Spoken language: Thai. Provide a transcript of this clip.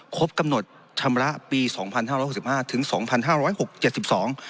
ครบกำหนดชำระปีสองพันห้าร้อยหกสิบห้าถึงสองพันห้าร้อยหกเจ็ดสิบสอง